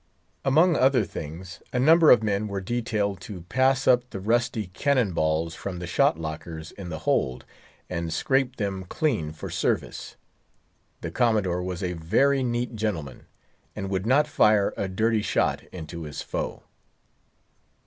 Among other things, a number of men were detailed to pass up the rusty cannon balls from the shot lockers in the hold, and scrape them clean for service. The Commodore was a very neat gentleman, and would not fire a dirty shot into his foe.